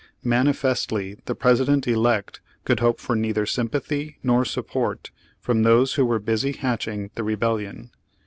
Manifestly the President elect could hope for neither sympathy nor support from those who were busy hatching the rebellion.